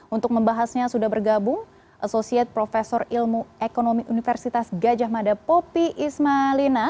untuk membahasnya sudah bergabung asosiate profesor ilmu ekonomi universitas gajah mada popi ismalina